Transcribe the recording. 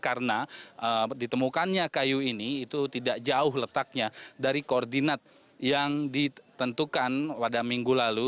karena ditemukannya kayu ini itu tidak jauh letaknya dari koordinat yang ditentukan pada minggu lalu